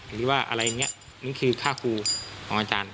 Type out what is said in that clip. หรือว่าอะไรอย่างนี้นี่คือค่าครูของอาจารย์